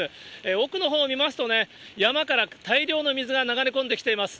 奥の方を見ますとね、山から大量の水が流れ込んできています。